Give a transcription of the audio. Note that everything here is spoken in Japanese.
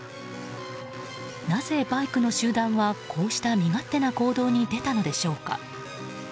なぜ、バイクの集団はこうした身勝手な行動に出たのでしょうか。